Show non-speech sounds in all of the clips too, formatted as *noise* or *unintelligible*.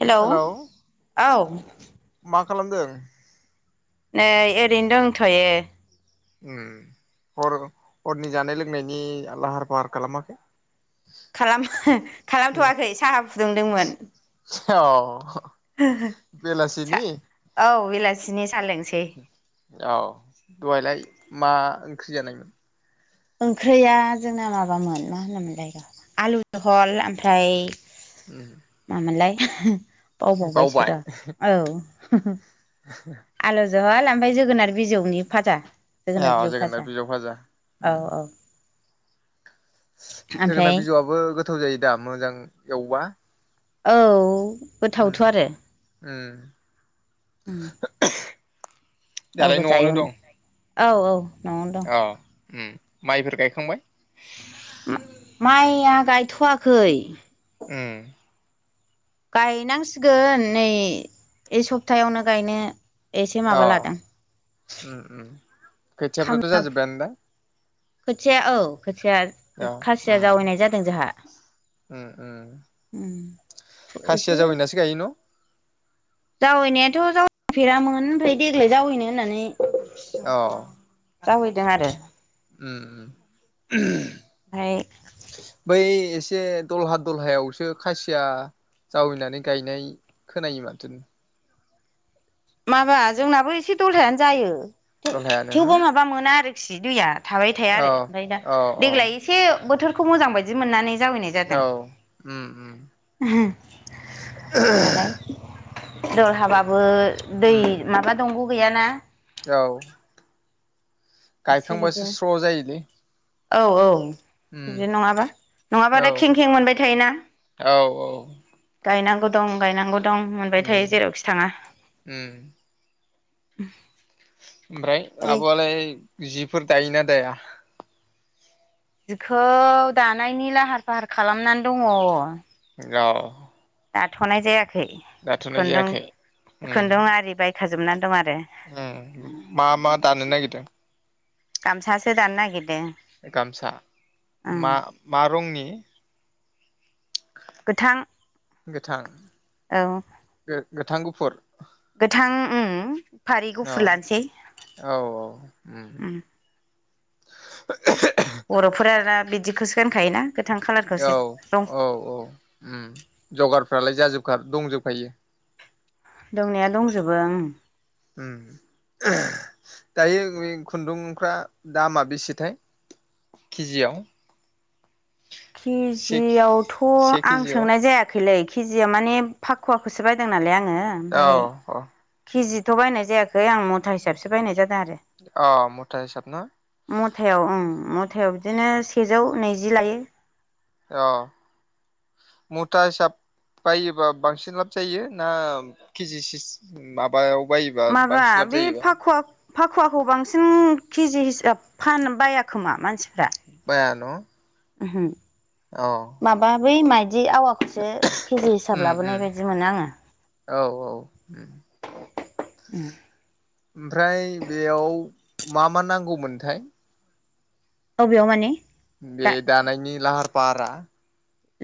हेल' hello औ मा खालामदों नै ओरैनो दंथ'यो ओम हर हरनि जानाय लोंनायनि लाहार फाहार खालामाखै खालाम ओ उम खालामथ'आखै साहा फुदुंदोंमोन ओ अह सा बेलासिनि औ बेलासिनि सा लोंसै औ दहायलाय मा ओंख्रि जानायमोन ओंख्रिया जोंना माबामोन मा होनोमोनलाय आलु ज'ह'ल आमफ्राय उम बावबाय बावबावबायसोरा औ हो हो आलु ज'ह'ल आमफ्राय जोगोनार बिजौनि फाजा जोगोनार बिजौ फाजा उम औ-औ। जोगोनार बिजौआबो गोथाव जायो दा मोजां एवबा औ गोथावथ' ओम आरो ओम गाव दालाय गोजा न'आवनो एवनो दं औ औ न'आवनो दं ओ ओम माइफोर गायखांबाय? माइया गायथ'वाखै उम गायनांसिगोन नै इ सप्थायावनो गायनो एसे माबा अ लादों उम उम खोथियाफ्राथ' खामला जाजोब्बायानो दा खोथिया औ खोथिया दा अ खासिया उम जावैनाय जादों जोहा उम उम उम खासिया एसे जावैनासो गायो न' जावैनायाथ' जावैफेरामोन ओमफाय देग्लाय जावैनो होननानै अ जावैदों आरो उम *unintelligible* ओमफ्राय बै एस से दलहा दलहायावसो खासिया जावैनानै गायनाय खोनायो माथो माबा जोंनाबो एसे दलहायानो जायो *unintelligible* दलहायानो थेवबो न' माबा मोना आरोखि दैया थाबाय थाया औ आरो ओमफाय दा औ औ देग्लाय एसे बोथोरखौ मोजां बायदि मोननानै जावैनाय औ जादों उम उम नालाय दलहाबाबो दै उम माबा दंग' गैयाना औ एसे गायखांबासो बिदिनो स्र' जायोलै औ औ उम बिदि नङाबा औ नङाबादाय खें-खें मोनबाय थायोना औ औ गायनांगौ दं गायनांगौ दं मोनबाय उम थायो जेरावखि थाङा उम ओमफ्राय ओरै आब'आलाय जिफोर दायोना दाया जिखौ दानायनि लाहार फाहार खालामनानै दङ' गाव दाथ'नाय जायाखै जायाखै उम खुन्दुं-खुन्दुं आरि बायखाजोबनान दं आर उम मा-मा दानो नागिरदों गामसासो दानो नागिद गामसा मा-मा रंनि गोथां गोथां औ गोथां गुफुर गोथां उम फारि औ गुफुर लानोसै औ औ उम ब'-बर'फोरा दा बिदिखौसो गानखायोना गोथां खालारखौसो औ दं औ औ उम जगारफ्रालाय जाजोब खार दंजोबखायो दंनाया दंजोबो उम उम *unintelligible* दायो मिं खुन्दुंफ्रा दामा बेसेथाय? केजियाव से केजियावथ' से आं केजियाव सोंनाय जायाखैलै केजिया माने फाखुवाखौसो बायदों नालाय आं औ औ केजिथ' बायनाय जायाख खै आं मथा हिसाबसो बायनाय जादों आरो अ मुथा हिसाब ना मथायाव ओम म‌' मुथायाव बिदिनो सेजौ नैजि लायो अ मुथा हिसाब बायोबा बांसिन लाब जायो ना केजि सिस माबायाव बायोबा माबा बांसिन लाब बे जायोबा फाखुवा-फाखुवाखौ बांसिन केजि हिसाब फानो बायाखोमा मानसि बाया न'। उमहो। औ। बै माइदि आवाखौसो केजि हिसाब लाबोनाय बायदि मोनो आङो। औ-औ उम। उम। ओमफ्राय बेयाव मा-मा नांगौमोनथाय? औ बेयाव माने? बे दा दानायनि लाहार-फाहारा?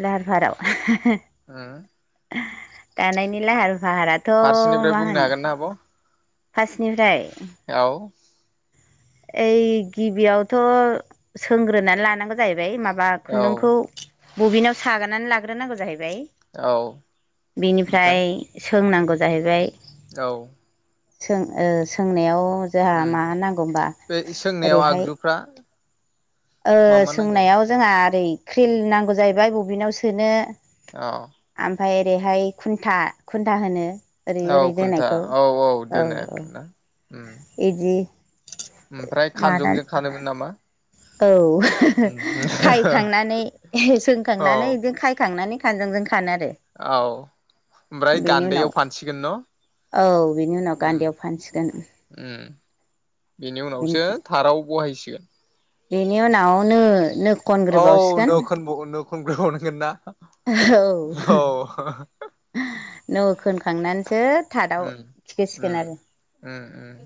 लहार-फाहाराव। ओ। दानायनि लाहार-फाहाराथ' फारसेनिफ्राय मा बुंनो होननो। हागोन ना आब' फासनिफ्राय। औ। ओइ गिबियावथ' सोंग्रोनानै लानांगौ जाहैबाय माब बा औ खुन्दुंखौ औ बबिनाव सागारनानै लाग्रोनांगौ जाहै बाय ओमफ्राय बिनिफ्राय सोंनांगौ जाहैबाय। औ। सों ओ सोंनायाव जोंहा उम मा नांगौ होमबा। बे सोंनायाव ओरैहाय आगजुफ्रा ओ मा मा नांगोन सोंनायाव जोंहा हा ओरै क्रिल नांगौ जाहैबाय बबिनाव सोनो। औ। ओमफाय ओरैहाय खुन्था-खुन्था होनो। ओरै-ओरै औ खुन्था दोनायखौ औ औ दोनो औ-औ आरोना उम इदि ओमफ्राय मानानै खानजंजों खानोमोन नामा? औ उम खायखांनानै औ सोंखांनानै इदिनो खायखांनानै खानजंजों खानो आरो औ ओमफ्राय बेनि उनाव गान्दैयाव फानसिगोन न'? औ बिनि उनाव उम गान्दैयाव फानसिगोन। उम बेनि उनावसो बेनिफ्राय थाराव बहायसिगोन। बेनि उनाव नो-नो औ नो खोनबगोन नो खनग्रोबावनांगोन ना। औ औ नो खोनखांनानैसो थार्दआव उम थिखोसिगोन उम आरो। उम उम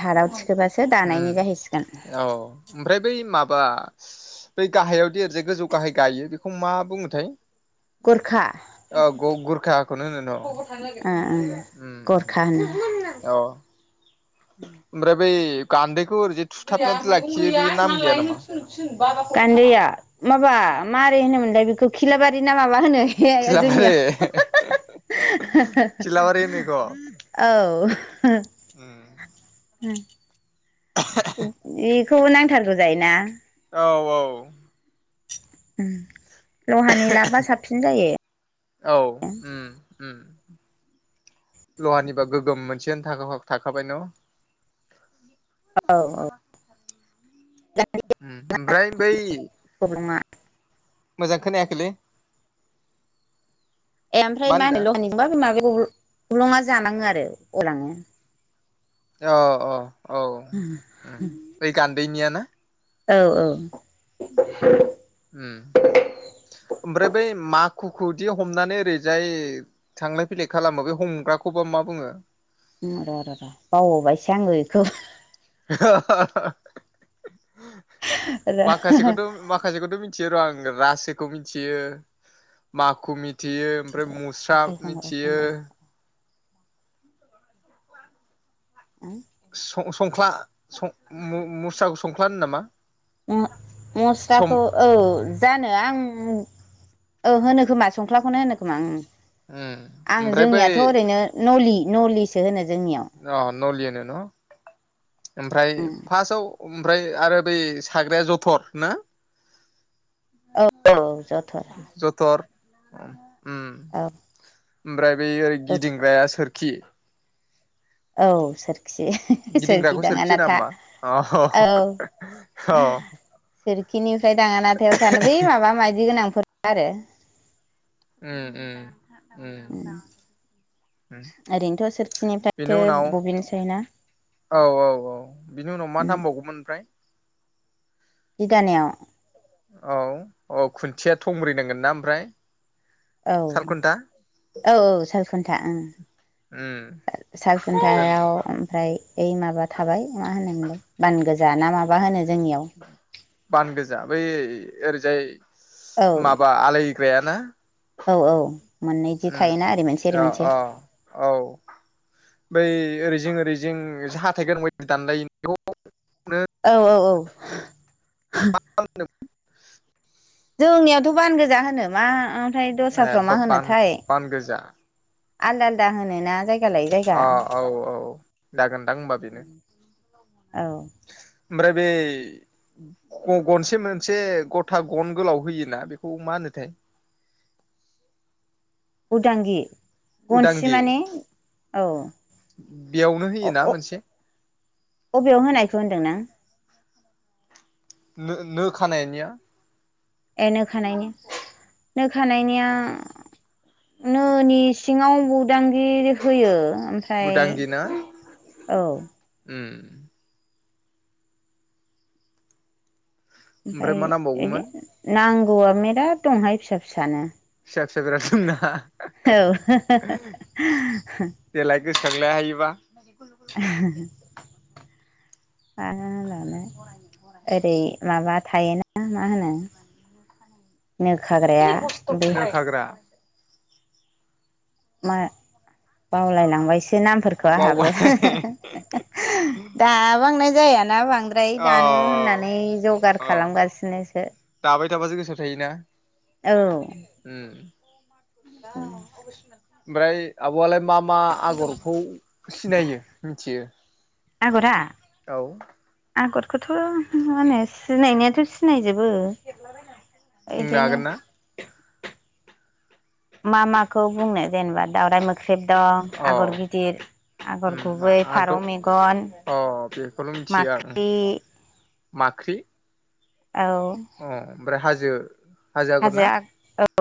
थाराव थिखोबासो दानायनि जाहैसिगोन उम औ ओमफ्राय बै माबा बै गाहायावदि ओरैजाय गोजौ गाहाय गायो बेखौ मा बुङोथाय? गरखा औ ग-गुरखाखौनो होनो ओ न'? उम-उम गरखा होनो औ ओमफ्राय बै गान्दैखौ ओरैजाय थुथाबनानै लाखियो बे नाम गैया नामा गान्दैया माबा मारै होनोमोनलाय बे खौ खिलाबारि ना माबा होनो खिलाबारि जोंनियावश खिलाबारि होनो इखौ औ। उम। बेखौ नांथारगौ जायोना। औ-औ। उम। औ उम-उम। लहानिबा गोग्गोम मोनसेयनो थाखा फाखा थाखाबाय न'। औ-औ। उम ओमफ्राइ बै गब्लङा मोजांखोनायाखैलै। *unintelligible* अ अ। औ उम बै *unintelligible* गान्दैनिया ना औ औ। उम। ओमफ्राय बै माखुखौदि हमनानै ओरैजाय थांलाय फैलाय खालामो बे हम। ग्राखौबा मा बुङो। र' र' र' बावबावबायसो आङो बेखौ। र' माखासेखौथ' माखासेखौथ'। थियो र' आं रासोखौ मिथियो माखु मि। थियो ओमफ्राय मुस्रा आखाइ हमग्राखौ मिथियो। होनदां *inaudible* सं संख्ला मुसखौ संख्ल होन नामा। सम मुस्राखौ औ जानो आं। ओ होनो खोमा संख्लाखौनो होनो खोमा उम आं ओमफ्राय बै जोंनियाथ' ओरैनो नलि। नलिसो होनो। जोंनियाव अ न'लि होनो न'। ओमफ्राय उम फार्स्टआव। ओमफ्राय आरो बै साग्राया जथर ना। औ जथर जथर। उम औ। ओमफ्राय बै ओरै जथर गिदिंग्राया सोरखि। औ सोर। खि सोरखि गिदिंग्राखौ होना दाङानाथा होमबा अ औ। औ सोरखिनिफ्राय दाङानाथायाव सानो बै माबा मायदि गोनांफोर आरो। ओम-ओम। ओम उम ओरैनोथ' बेनि सोरखिनिफ्रायसो उनाव बबिनसोयोना। औ औ औ बिनि उनाव मा नामबावगौमोन ओमफ्राय। जिदानाययाव। औ औ खुन्थिया थंब्रै नांगोनना ओमफ्राय। औ सालखुन्था औ औ सालखुन्था ओं। उम ओमफ्राय सालखुथायायाव ओमफ्राय ओ माबा थाबाय मा होनोमोनलाय। बान गोजा ना माबा होनो। जोंनियाव बान गोजा बै ओरैजाय औ माबा आलाय। ग्राया ना। औ औ मोननै जि उम थायोना ओरै मोनसे ओरै अ मोनसे अ औ। बै ओरैजिं ओरैजिं जाों हाथाइगोनां बायदि दानलायनाया। औ औ औ। *inaudible* जोंनियावथ' बान गोजा होनो मा ओमफ्राय ए दस्राफ्राव मा बान होनोथाय। बान गोजा आलदा आलदा होनोना जाय। अ औ औ जागोनदां होमबा बेनो। औ। ओमफ्राय बे। गनसे मोनसे गथा गन गोलाव होयोना बेखौ मा होनोथाय। *inaudible* उदांगि गनसि उदांगि माने औ बेयावनो अ होयोना अ मोनसे बबेयाव होनायखौ होनदों नों नो नो खानायनिया ए नो खानायनि नो खानायनिया नोनि सिङाव उदांगि होयो उदांगि ना ओमफ्राय औ उम ओमफ्राय मा इदि नांबावगौमोन नांगौआ मिराद दंहाय फिसा फिसानो फिसा फिसा बिराद दंना औ देलाय गोसोखांलाय सायोबा *inaudible* ओरै माबा थायोना मा होनो नो खाग्राया बे नो खाग्रा मा बावलायलांबाय सो नामफोरखौ बावबाय आंहाबो दा बांनाय जायाना बां बांद्राय औ दानो होननानै जगार खालामगासिनोसो खिथाबाजो गोसआव थायोना औ उम *unintelligible* ओमफ्राय आब'आलाय मा मा आगरखौ सिनायो मिथियो आगरा औ आगरखौथ' मा होनो सिनायनायाथ' सिनायजोबो बुंनो इदिनो हागोन ना मा माखौ बुंनो जेनेबा दावराय मोख्रेब दं अ आगर गिदिर आगर उम गुबै आंथ' फारौ मेगन अ बेखौल' मिथियो आं माख्रि माख्रि अ औ ओमफ्राय हाजो आगर हाजो ना आ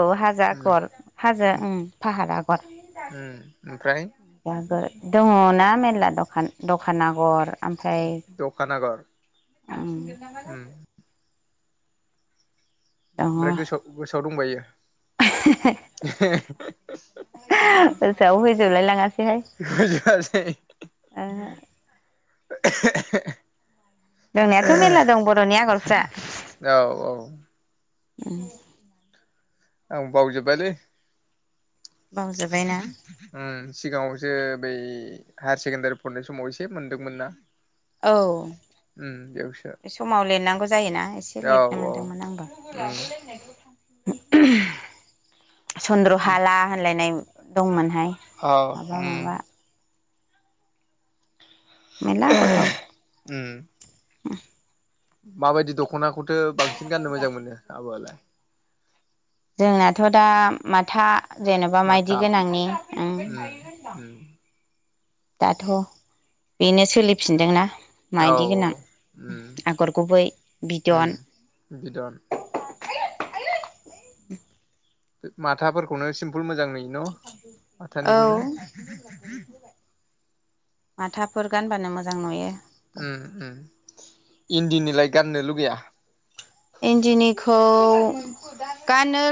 औ हाजो उम आगर हाजो उम फाहार आगर ओमफ्राय दङ ना मेरला दखान दखान आगर ओमफ्राय दखान आगर उम उम दङ ओमफ्राय गोसोआव गोसोआव गोसोआव फैजोबलाय दंबायो लाङासैहाय *inaudible* ओहो *inaudible* *inaudible* दंनायाथ' मेरला दं बर'नि आगरफ्रा औ औ उम आं बावजोब बायलै बावजोबायना सो बै हायार सेकेण्डारि फरायनाय समाव एसे मोनदोंमोन ना औ उम बेयावसो बे समाव लिरनांगौ जायोना एसे औ लिरनो औ मोनदोंमोन आंबो उम चन्द्र हाला होनलायनाय दंमोनहाय औ माबा उम माबा उम उम माबायदि दखनाखौथो बांसिन गाननो मोजां मोनो आब आलाय? जोंनाथ दा माथा जेनबा माथा माइदि गोनांनि उम उम दाथ बेनो सोलिफिनदोंना औ मायदि गोनां उम आगर गुबै उम बिदन, बिदन माथाफोरखौनो सिमपोल मोजां नुयो। न' औ माथानिखौनो माथाफोर गानबानो मोजां नुयो। उ उ इन्दिनिलाय गाननो लुगैया? इन्दिनिखौ गाननो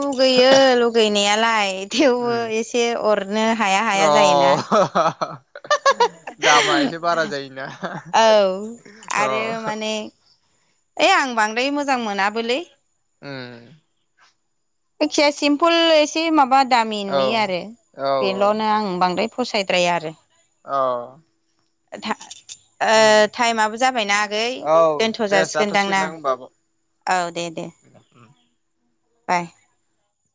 लुगैयो लुगैनाया नालाय थेवबो उम एसे अरनो हाया हाया जायोना अ दामा एसे बारा जायोना औ आरो अ माने ओइ आं बांद्राय मोजां मोनाबोलै ओ जायखिजाया सिम्पोल एसे माबा दामि औ नुयो आरो बेलनो औ आं बांद्राय फसायद्राया आरो औ था ओ उम टाइमाबो जाबायना आगै औ दोनथ दे जाासिगोनदां ना? जाथ'सिगोनदां होमबा आब' औ दे दे उम बाय